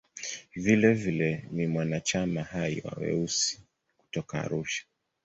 Vilevile ni mwanachama hai wa "Weusi" kutoka Arusha.